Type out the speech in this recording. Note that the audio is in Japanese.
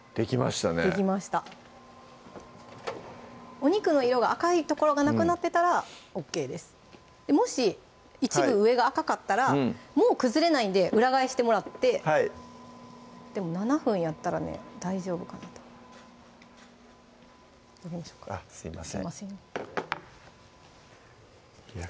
お肉の色が赤い所がなくなってたらＯＫですもし一部上が赤かったらもう崩れないんで裏返してもらってでも７分やったらね大丈夫かなとどけましょうかあっすいませんいや